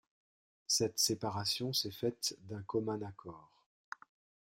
Cette séparation s'est faite d'un commun accord.